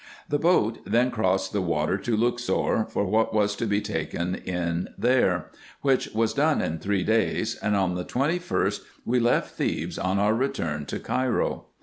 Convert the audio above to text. The boat then crossed the water to Luxor, for what was to be taken in there, which was done in three days, and on the 21st we left Thebes on our return to Cairo.